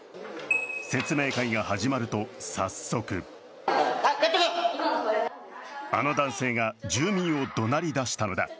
説明会が始まると早速あの男性が住民をどなりだしたのだ。